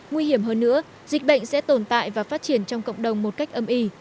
nguy hiểm hơn nữa dịch bệnh sẽ tồn tại và phát triển trong cộng đồng một cách âm y